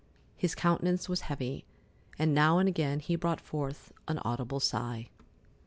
His countenance was heavy, and now and again he brought forth an audible sigh.